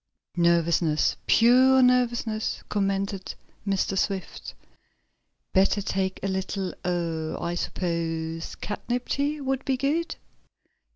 "Nervousness, pure nervousness," commented Mr. Swift. "Better take a little er I suppose catnip tea would be good."